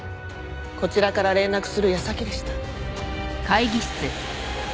こちらから連絡する矢先でした。